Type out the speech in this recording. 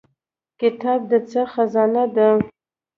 کتاب د څه خزانه ده؟